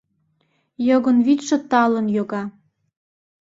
Йогынвӱдшӧ талын йога